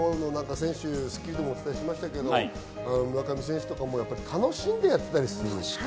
選手、『スッキリ』でもお伝えしましたが、村上選手とかも楽しんでやってたでしょ。